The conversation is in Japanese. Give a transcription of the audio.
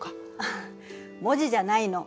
あっ文字じゃないの。